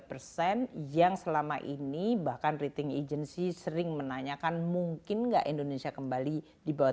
persen yang selama ini bahkan rating agency sering menanyakan mungkin enggak indonesia kembali dibawah